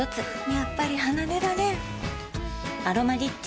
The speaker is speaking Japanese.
やっぱり離れられん「アロマリッチ」